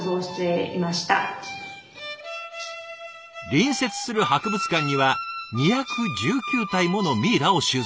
隣接する博物館には２１９体ものミイラを収蔵。